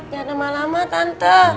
jangan lama lama tante